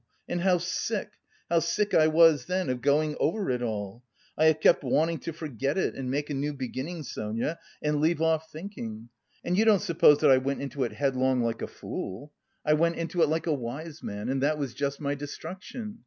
And how sick, how sick I was then of going over it all! I have kept wanting to forget it and make a new beginning, Sonia, and leave off thinking. And you don't suppose that I went into it headlong like a fool? I went into it like a wise man, and that was just my destruction.